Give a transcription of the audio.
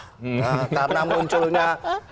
karena mungkin kita tidak bisa mencari kader yang berbeda